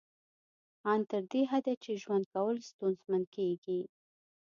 ان تر دې حده چې ژوند کول ستونزمن کیږي